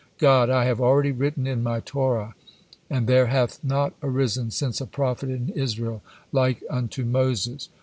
'" God: "I have already written in My Torah, 'And there hath not arisen since a prophet in Israel like unto Moses.'"